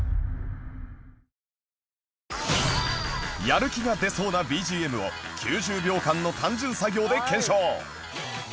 やる気が出そうな ＢＧＭ を９０秒間の単純作業で検証！